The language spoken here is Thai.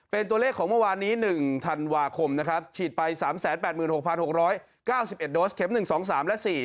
เป็นตัวเลขของเมื่อวานนี้๑ธันวาคมนะครับฉีดไป๓๘๖๖๙๑โดสเข็ม๑๒๓และ๔